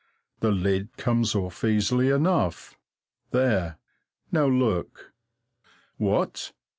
The lid comes off easily enough. There! Now look! What?